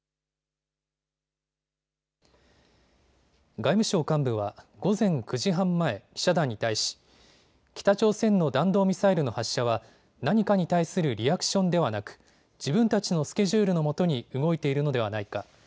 外務省幹部は午前９時半前、記者団に対し北朝鮮の弾道ミサイルの発射は何かに対するリアクションではなく自分たちのスケジュールのもとに動いているのではないか。